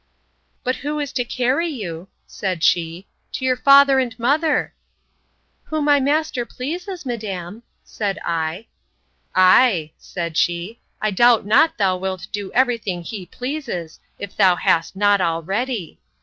But who is to carry you, said she, to your father and mother? Who my master pleases, madam, said I. Ay, said she, I doubt not thou wilt do every thing he pleases, if thou hast not already.